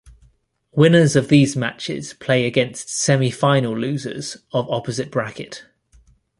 Winners of these matches play against semifinal losers of opposite bracket.